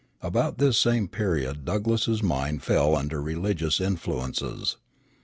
At about this same period Douglass's mind fell under religious influences.